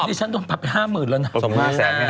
ดิฉันโดนปรับไปห้ามืดแล้วนะ